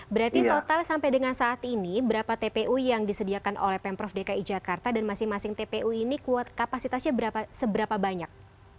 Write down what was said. berarti total sampai dengan saat ini berapa tpu yang disediakan oleh pemprov dki jakarta dan masing masing tpu ini kapasitasnya berapa banyak